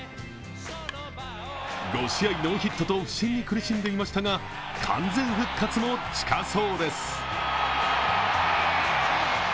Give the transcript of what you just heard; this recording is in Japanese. ５試合ノーヒットと不振に苦しんでいましたが、完全復活も近そうです。